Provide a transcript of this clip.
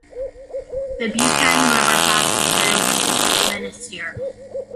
The Bouchanoun River passes through Menaceur.